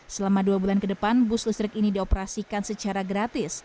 selama dua bulan ke depan bus listrik ini dioperasikan secara gratis